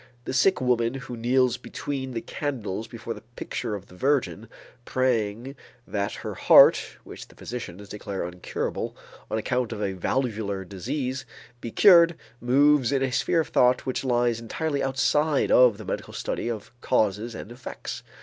The sick woman who kneels between the candles before the picture of the Virgin, praying that her heart, which the physicians declare incurable on account of a valvular disease, be cured, moves in a sphere of thought which lies entirely outside of the medical study of causes and effects.